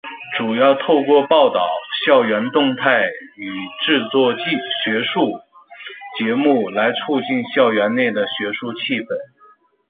主要透过报导校园动态与制作学术节目来促进校园内的学术气氛。